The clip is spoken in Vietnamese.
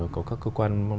có các cơ quan